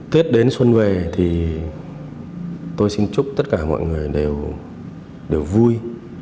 tết đến xuân về thì tôi xin chúc tất cả mọi người đều vui